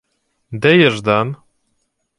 — Де є Ждан?